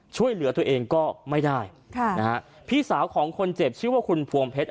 ช่วยเหลือตัวเองก็ไม่ได้ค่ะนะฮะพี่สาวของคนเจ็บชื่อว่าคุณพวงเพชร